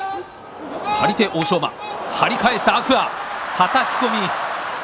はたき込み。